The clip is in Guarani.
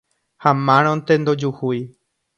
Ha márõnte ndojuhúi.